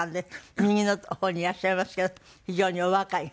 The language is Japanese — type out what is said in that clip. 右の方にいらっしゃいますけど非常にお若い。